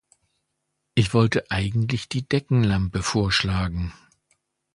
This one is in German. Ich wollte eigentlich die Deckenlampe vorschlagen.